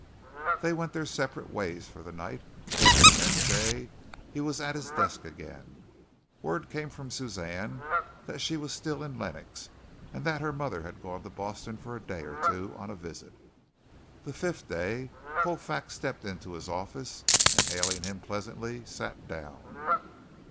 They went their separate ways for the night, and the next day he was at his desk again. Word came from Suzanne that she was still in Lenox, and then that her mother had gone to Boston for a day or two on a visit. The fifth day Colfax stepped into his office, and, hailing him pleasantly, sat down.